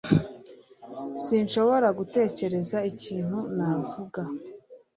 Sinshobora gutekereza ikintu navuga